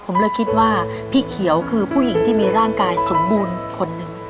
ผมเลยคิดว่าพี่เขียวคือผู้หญิงที่มีร่างกายสมบูรณ์คนหนึ่ง